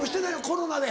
コロナで。